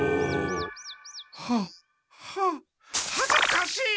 はははずかしい！